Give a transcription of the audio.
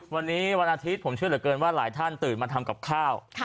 วันนี้วันอาทิตย์ผมเชื่อเหลือเกินว่าหลายท่านตื่นมาทำกับข้าว